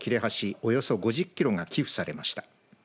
およそ５０キロが寄付されました。